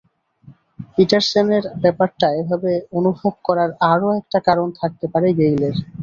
পিটারসেনের ব্যাপারটা এভাবে অনুভব করার আরও একটা কারণ থাকতে পারে গেইলের।